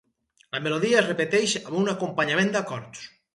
La melodia es repeteix amb un acompanyament d'acords.